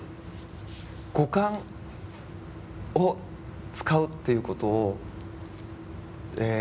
五感を使うっていうことをえ